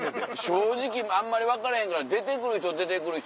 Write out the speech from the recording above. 正直あんまり分からへんから出てくる人出てくる人